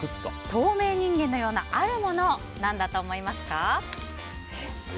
透明人間のようなあるもの何だと思いますか？